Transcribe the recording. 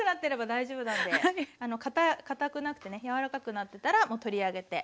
かたくなくてね柔らくなってたらもう取り上げて。